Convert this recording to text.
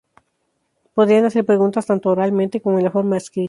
Podrían hacer preguntas tanto oralmente como en la forma escrita.